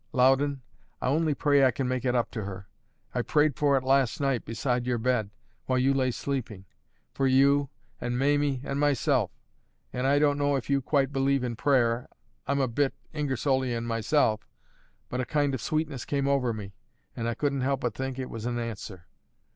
Loudon, I only pray I can make it up to her; I prayed for it last night beside your bed, while you lay sleeping for you, and Mamie and myself; and I don't know if you quite believe in prayer, I'm a bit Ingersollian myself but a kind of sweetness came over me, and I couldn't help but think it was an answer.